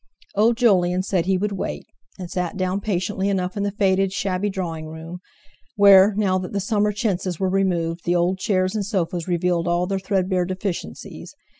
Old Jolyon said he would wait; and sat down patiently enough in the faded, shabby drawing room, where, now that the summer chintzes were removed, the old chairs and sofas revealed all their threadbare deficiencies.